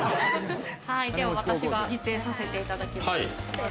私が実演させていただきます。